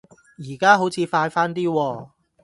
而家好似快返啲喎